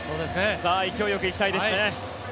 勢いよく行きたいですね。